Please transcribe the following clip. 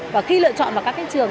và khi lựa chọn vào các cái trường